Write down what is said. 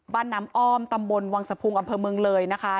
บ้านน้ำอ้อมตำบลวังสะพุงอำเภอเมืองเลยนะคะ